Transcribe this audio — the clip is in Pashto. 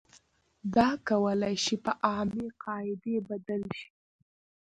دا کولای شي په عامې قاعدې بدل شي.